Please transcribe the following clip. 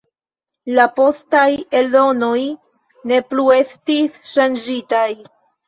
La postaj eldonoj ne plu estis ŝanĝitaj.